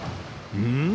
うん？